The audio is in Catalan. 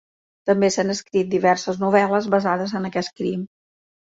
També s'han escrit diverses novel·les basades en aquest crim.